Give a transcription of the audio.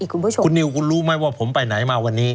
คุณนิวคุณรู้ไหมว่าผมไปไหนมาวันนี้